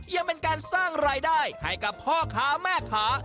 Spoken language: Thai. ยังเป็นการสร้างรายได้ให้กับพ่อค้าแม่ค้า